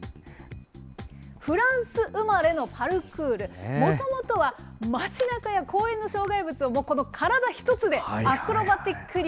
フランス生まれのパルクール、もともとは街なかや公園の障害物を、この体一つでアクロバティックに